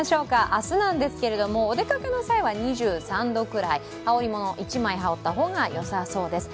明日なんですけれどもお出かけの際は２３度くらい、羽織り物を一枚羽織った方がよさそうです。